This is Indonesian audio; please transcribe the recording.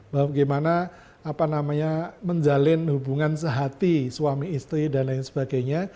bagaimana menjalin hubungan sehati suami istri dan lain sebagainya